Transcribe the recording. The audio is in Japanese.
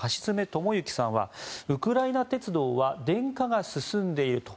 智之さんはウクライナ鉄道は電化が進んでいると。